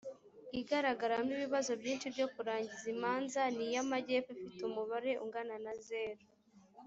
igaragaramo ibibazo byinshi byo kurangiza imanza ni iy amajyepfo ifite umubare ungana na zeru